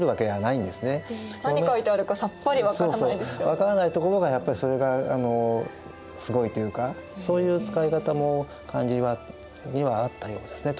分からないところがやっぱりそれがすごいというかそういう使い方も漢字にはあったようですね